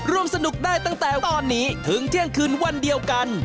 ร่วมสนุกได้ตั้งแต่ตอนนี้ถึงเที่ยงคืนวันเดียวกัน